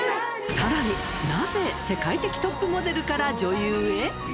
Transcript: さらに、なぜ世界的トップモデルから女優へ？